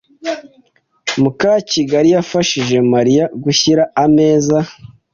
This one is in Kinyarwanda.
Mukakigali yafashije Mariya gushyira ameza.